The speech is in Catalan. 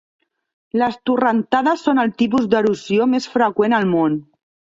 Les torrentades són el tipus d'erosió més freqüent al món.